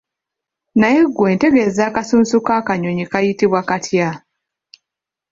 Naye ggwe ntegeeza akasunsu k'akanyonyi kayitibwa katya?